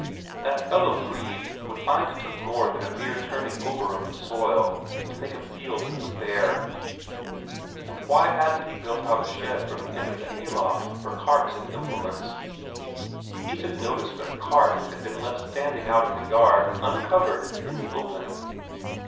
That fellow Brede would find it took more than a mere turning over of the soil to made a field that would bear. And why hadn't he built out a shed from the end of the hayloft for carts and implements? Isak noticed that a cart had been left standing out in the yard, uncovered, in the open.